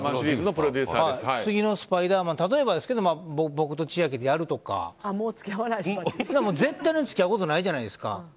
次の「スパイダーマン」は僕と千秋でやるとか絶対に付き合うことないじゃないですか。